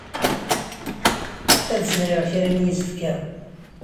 Ad sriɣ kra n yisefka.